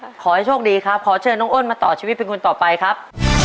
ขอให้โชคดีครับขอเชิญน้องอ้นมาต่อชีวิตเป็นคนต่อไปครับ